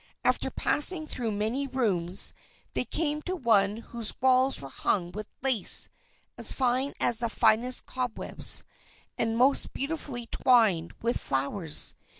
After passing through many rooms they came to one whose walls were hung with lace as fine as the finest cobwebs, and most beautifully twined with flowers.